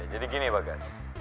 jadi gini bagas